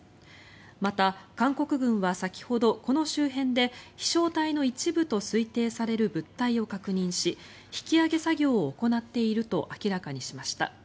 また、韓国軍は先ほどこの周辺で飛翔体の一部と推定される物体を確認し引き揚げ作業を行っていると明らかにしました。